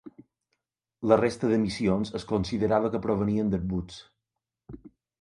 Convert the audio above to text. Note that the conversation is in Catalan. La resta d'emissions es considerava que provenien d'arbusts.